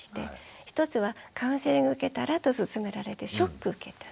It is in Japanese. １つはカウンセリングを受けたらと勧められてショック受けた。